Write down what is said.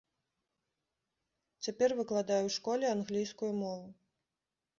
Цяпер выкладае ў школе англійскую мову.